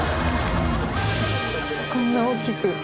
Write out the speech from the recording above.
こんな大きく。